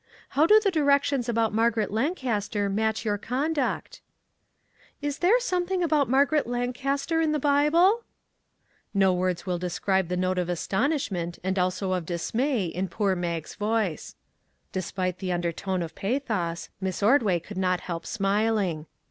How do the directions about Margaret Lancaster match your conduct ?"" Is there something about Margaret Lan caster in the Bible ?" No words will describe the note of astonish ment and also of dismay in poor Mag's voice. Despite the undertone of pathos, Miss Ordway could not help smiling.